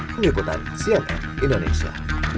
mengikutan cnn indonesia